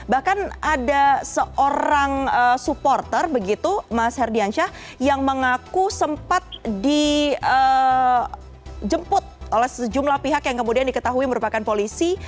bahkan ada seorang supporter begitu mas herdiansyah yang mengaku sempat dijemput oleh sejumlah pihak yang kemudian diketahui merupakan polisi